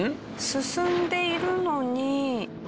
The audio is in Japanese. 進んでいるのに。